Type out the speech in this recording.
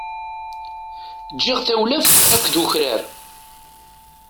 Giɣ tawlaft akked ukrar.